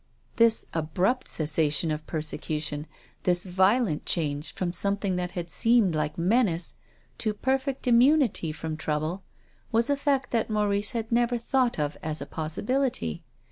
This abrupt cessation of persecution, this violent change from something that had seemed like menace to perfect immunity from trouble, was a fact that Maurice had never thought of as a possibility.